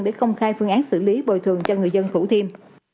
để công khai phương án xử lý bồi thường cho người dân khu thim